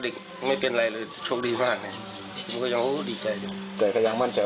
เด็กไม่เป็นไรเลยโชคดีมากน่ะดีใจแต่ก็ยังมั่นใจ